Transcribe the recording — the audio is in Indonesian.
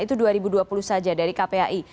itu dua ribu dua puluh saja dari kpai